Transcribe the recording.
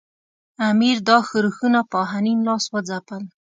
امیر دا ښورښونه په آهنین لاس وځپل.